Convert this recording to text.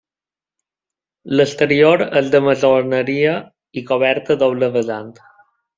L'exterior és de maçoneria i coberta a doble vessant.